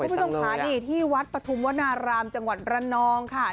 คุณผู้ชมค่ะนี่ที่วัดปฐุมวนารามจังหวัดระนองค่ะ